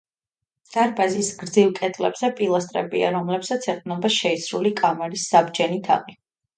დარბაზის გრძივ კედლებზე პილასტრებია, რომლებსაც ეყრდნობა შეისრული კამარის საბჯენი თაღი.